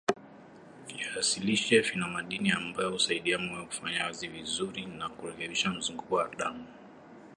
viazi lishe vina madini ambayo husaidia moyo kufanyakazi vizuri na kurekebisha mzunguko wa damu